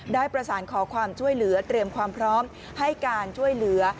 ได้ประสานขอความช่วยเหลือเตรียมความพร้อมให้การช่วยเหลือ